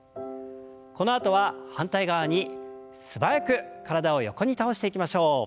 このあとは反対側に素早く体を横に倒していきましょう。